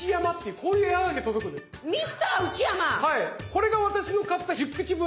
これが私の買った１０口分。